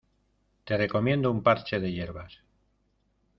Te recomiendo un parche de hierbas.